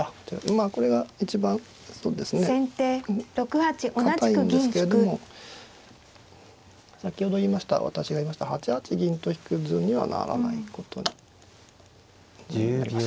あこれが一番そうですね堅いんですけれども先ほど私が言いました８八銀と引く図にはならないことになります。